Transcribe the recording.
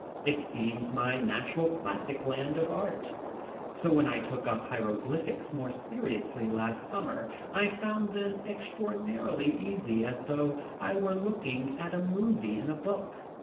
It seems my natural classic land of art. So when I took up hieroglyphics more seriously last summer, I found them extraordinarily easy as though I were looking at a "movie" in a book.